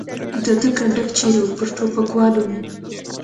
د ده کنډک چېرې و؟ پر ټوپکوالو مې.